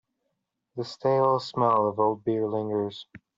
The stale smell of old beer lingers.